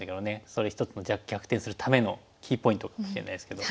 それ一つの逆転するためのキーポイントかもしれないですけど。